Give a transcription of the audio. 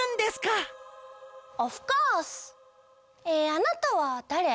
えあなたはだれ？